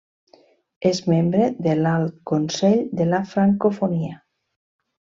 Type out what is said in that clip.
És membre de l'Alt Consell de la Francofonia.